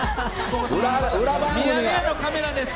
ミヤネ屋のカメラです。